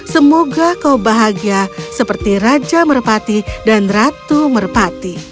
semoga kau bahagia seperti raja merpati dan ratu merpati